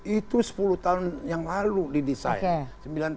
itu sepuluh tahun yang lalu didesain